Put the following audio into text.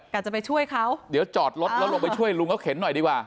จะไปช่วยเขาเดี๋ยวจอดรถแล้วลงไปช่วยลุงเขาเข็นหน่อยดีกว่า